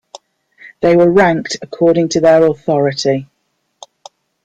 They were ranked according to their authority.